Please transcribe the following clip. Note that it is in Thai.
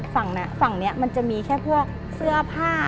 ฝั่งนี้มันจะมีแค่พวกเสื้อผ้า